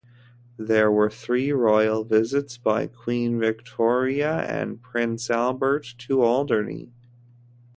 There were three Royal visits by Queen Victoria and Prince Albert to Alderney.